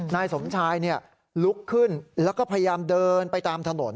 นายสมชายลุกขึ้นแล้วก็พยายามเดินไปตามถนน